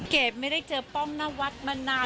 เกดไม่ได้เจอป้องนวัดมานานมาก